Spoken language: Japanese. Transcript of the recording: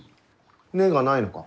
根がないのか？